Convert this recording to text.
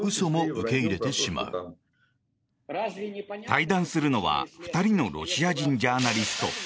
対談するのは２人のロシア人ジャーナリスト。